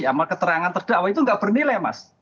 amal keterangan terdakwa itu nggak bernilai mas